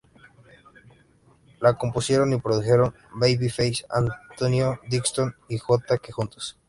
La compusieron y produjeron Babyface, Antonio Dixon y J. Que juntos.